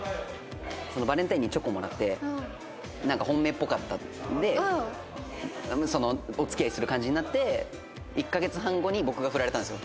バレンタインにチョコもらってなんか本命っぽかったんでお付き合いする感じになって１カ月半後に僕がフラれたんですよ。